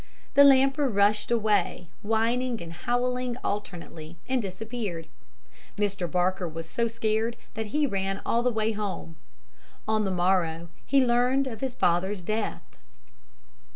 The Lamper rushed away, whining and howling alternately, and disappeared. Mr. Barker was so scared that he ran all the way home. On the morrow, he learned of his father's death.